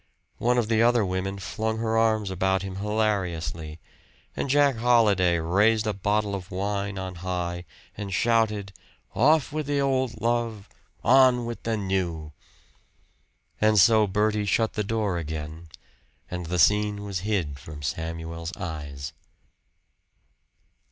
One of the other women flung her arms about him hilariously, and Jack Holliday raised a bottle of wine on high, and shouted: "Off with the old love on with the new!" And so Bertie shut the door again, and the scene was hid from Samuel's eyes.